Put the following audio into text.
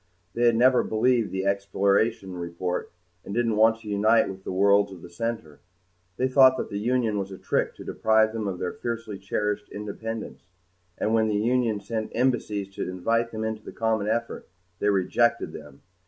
They had never believed the exploration report and didn't want to unite with the worlds of the center. They thought that the Union was a trick to deprive them of their fiercely cherished independence, and when the Union sent embassies to invite them into the common effort, they rejected them.